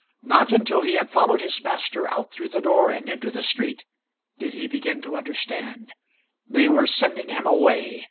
Not until he had followed his master out through the door and into the street did he begin to understand. They were sending him away!